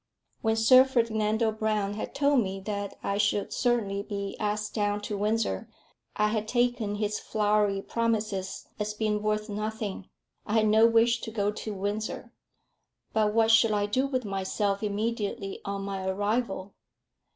When Sir Ferdinando Brown had told me that I should certainly be asked down to Windsor, I had taken his flowery promises as being worth nothing. I had no wish to go to Windsor. But what should I do with myself immediately on my arrival?